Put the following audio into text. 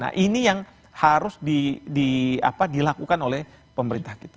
nah ini yang harus dilakukan oleh pemerintah kita